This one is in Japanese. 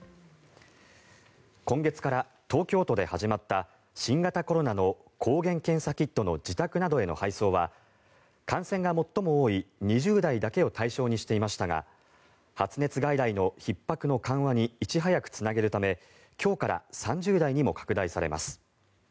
今月から、東京都で始まった新型コロナの抗原検査キットの自宅などへの配送は感染が最も多い２０代だけを対象にしていましたが発熱外来のひっ迫の緩和にいち早くつなげるため今日から３０代にも拡大されます。